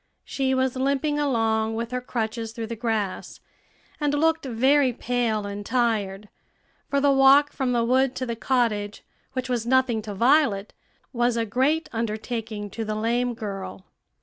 She was limping along with her crutches through the grass, and looked very pale and tired; for the walk from the wood to the cottage, which was nothing to Violet, was a great undertaking to the lame girl.